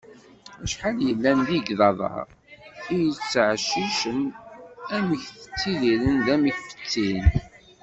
Acḥal yellan d igḍaḍ-a i yettɛeccicen, amek ttidiren d wamek fettin.